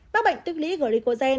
mắc bệnh tích lý glicogen